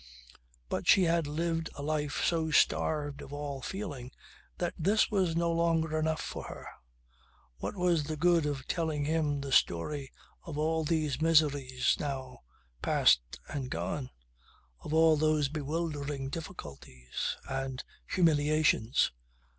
But she had lived a life so starved of all feeling that this was no longer enough for her. What was the good of telling him the story of all these miseries now past and gone, of all those bewildering difficulties and humiliations?